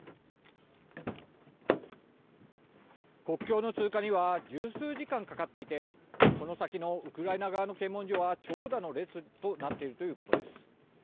国境の通過には十数時間かかっていてこの先のウクライナ側の検問所は長蛇の列となっているということです。